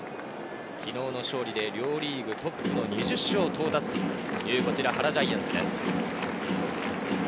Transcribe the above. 昨日の勝利で両リーグトップの２０勝到達という原ジャイアンツです。